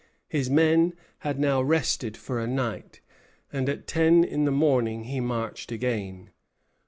His men had now rested for a night, and at ten in the morning he marched again.